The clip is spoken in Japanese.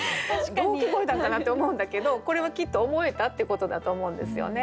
どう聞こえたんかなって思うんだけどこれはきっと思えたってことだと思うんですよね。